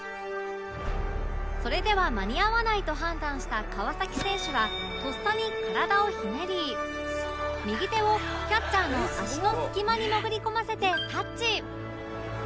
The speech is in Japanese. それでは間に合わないと判断した川選手はとっさに体をひねり右手をキャッチャーの足の隙間に潜り込ませてタッチ！